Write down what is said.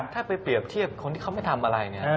ถ้าไปเปรียบเทียบคนที่เขาไม่ทำอะไรเนี่ย